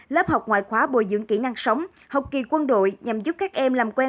lớp học ngoại khóa bồi dưỡng kỹ năng sống học kỳ quân đội nhằm giúp các em làm quen